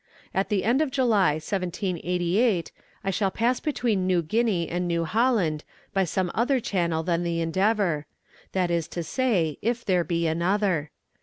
At the end of July, 1788, I shall pass between New Guinea and New Holland by some other channel than the Endeavour; that is to say, if there be another.